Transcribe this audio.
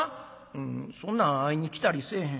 「うんそんなん会いに来たりせえへん。